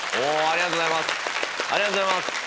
ありがとうございます！